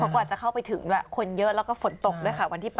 กว่าจะเข้าไปถึงด้วยคนเยอะแล้วก็ฝนตกด้วยค่ะวันที่๘